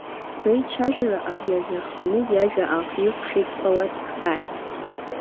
Реицәажәара абри азырханы иажәа аахиркәшеит Палаксаи.